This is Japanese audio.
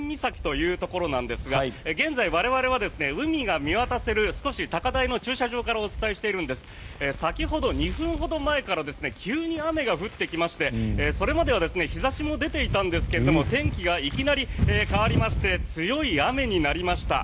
岬なんですが現在我々は、海が見渡せる少し高台の駐車場からお伝えしているんですが先ほど２分ほど前から急に雨が降ってきましてそれまでは日差しも出ていたんですが天気がいきなり変わりまして強い雨になりました。